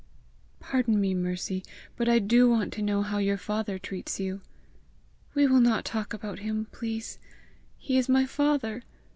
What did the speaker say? "Pardon me, Mercy, but I do want to know how your father treats you!" "We will not talk about him, please. He is my father!